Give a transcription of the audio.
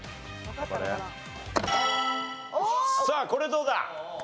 さあこれどうだ？